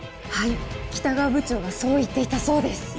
はい北川部長がそう言っていたそうです